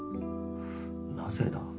なぜだ？